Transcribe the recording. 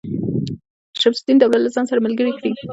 شمس الدوله له ځان سره ملګري کړي.